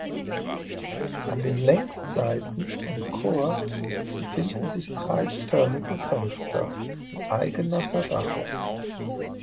An den Längsseiten und Chor befinden sich kreisförmige Fenster mit eigener Verdachung.